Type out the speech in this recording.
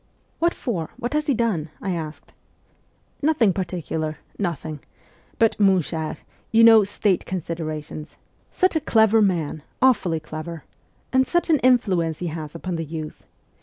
' What for ? What has he done? ' I asked. ' Nothing particular ; nothing ! But, mon cher, you know, State considerations ! Such a clever man, awfully clever \, t And such an influence he has upon the youth.